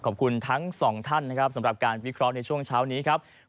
ขอบคุณทั้งสองท่านนะครับสำหรับการวิเคราะห์ในช่วงเช้านี้ครับ